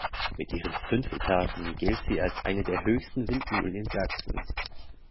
Mit ihren fünf Etagen gilt sie als eine der höchsten Windmühlen in Sachsen.